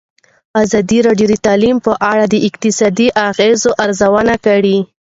ازادي راډیو د تعلیم په اړه د اقتصادي اغېزو ارزونه کړې.